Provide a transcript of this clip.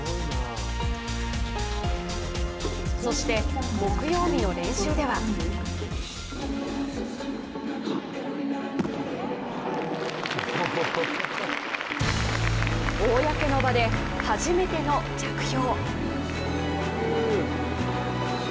そして、木曜日の練習では公の場で、初めての着氷。